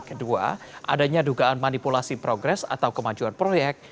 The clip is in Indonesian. kedua adanya dugaan manipulasi progres atau kemajuan proyek